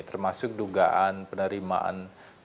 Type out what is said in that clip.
termasuk dugaan penerimaan